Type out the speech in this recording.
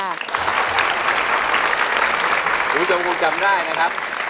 คุณผู้ชมคงจำได้นะครับ